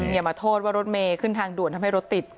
อย่ามาโทษว่ารถเมย์ขึ้นทางด่วนทำให้รถติด